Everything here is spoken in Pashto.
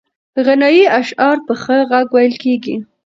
غنایي اشعار په ښه غږ ویل کېږي.